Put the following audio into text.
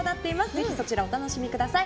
ぜひそちら、お楽しみください。